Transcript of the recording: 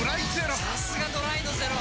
さすがドライのゼロ！